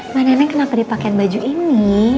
mbak neneng kenapa dipakaian baju ini